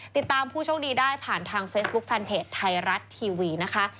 ผู้โชคดีได้ผ่านทางเฟซบุ๊คแฟนเพจไทยรัฐทีวีนะคะ